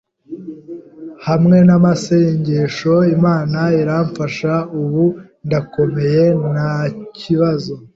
hamwe n’amasengesho Imana iramfasha ubu ndakomeye ntakibazo.